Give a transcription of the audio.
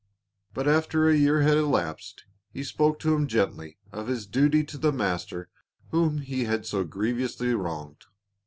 But after a year had elapsed he spoke to him gently of his duty to the master whom he had so grievously wronged.